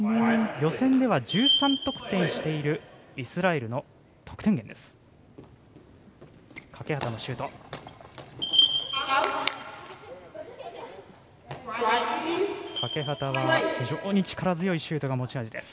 予選では１３得点しているイスラエルの得点源です。